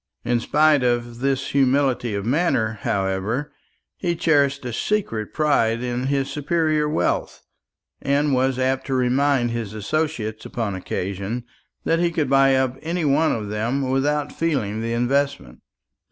In spite of this humility of manner, however, he cherished a secret pride in his superior wealth, and was apt to remind his associates, upon occasion, that he could buy up any one of them without feeling the investment.